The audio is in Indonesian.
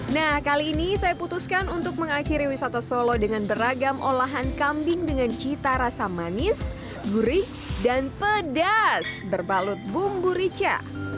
nah kali ini saya putuskan untuk mengakhiri wisata solo dengan beragam olahan kambing dengan cita rasa manis gurih dan pedas berbalut bumbu rica